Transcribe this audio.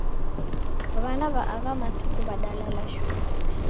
W'ana w'a agha matuku w'adalala shuu.